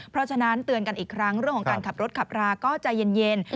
เพราะฉะนั้นเตือนกันอีกครั้งเรื่องของการขับรถขับราก็ใจเย็น